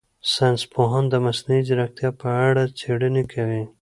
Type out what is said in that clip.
ساینس پوهان د مصنوعي ځیرکتیا په اړه څېړنې کوي.